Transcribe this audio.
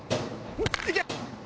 いけ！